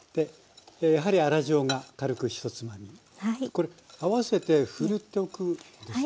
これ合わせてふるっておくんですね。